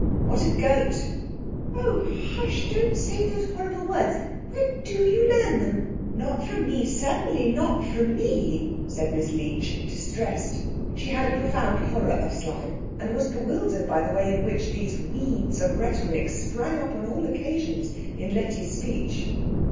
"What a goat." "Oh, hush don't say those horrible words. Where do you learn them? Not from me, certainly not from me," said Miss Leech, distressed. She had a profound horror of slang, and was bewildered by the way in which these weeds of rhetoric sprang up on all occasions in Letty's speech.